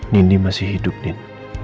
nindi masih hidup din